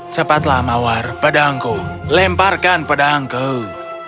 cepatlah mawar pedangku lemparkan pedangku